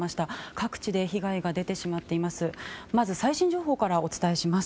各地で被害が出てしまっています。